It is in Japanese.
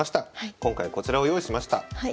今回こちらを用意しました。